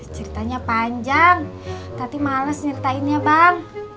ceritanya panjang tati males nyeritainnya bang